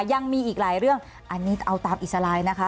ยังมีอีกหลายเรื่องอันนี้เอาตามอิสลายนะคะ